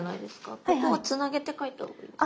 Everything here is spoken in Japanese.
ここはつなげて描いたほうがいいですか？